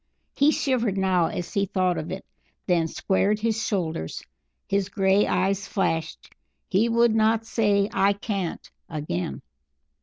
He shivered now as he thought of it; then squared his shoulders. His grey eyes flashed; he would not say "I can't" again.